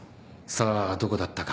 さあどこだったか。